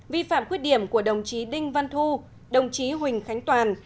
vi phạm khuyết điểm của đồng chí đinh văn thu đồng chí huỳnh khánh toàn